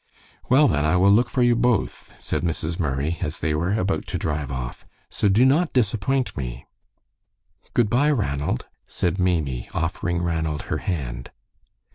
"Well, then, I will look for you both," said Mrs. Murray, as they were about to drive off, "so do not disappoint me." "Good by, Ranald," said Maimie, offering Ranald her hand.